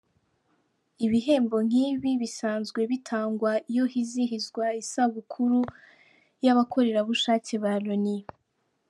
Ibihembo nk’ibi bisanzwe bitangwa iyo hizihizwa isabukuru y’abakorerabushake ba Loni.